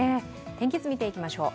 天気図、見ていきましょう。